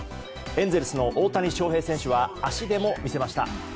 エンゼルスの大谷翔平選手は足でも見せました。